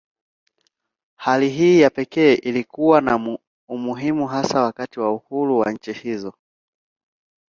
Hali hii ya pekee ilikuwa na umuhimu hasa wakati wa uhuru wa nchi hizo.